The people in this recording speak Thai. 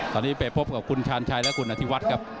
ตอนนี้ไปพบกับคุณชาญชัยและคุณอธิวัฒน์ครับ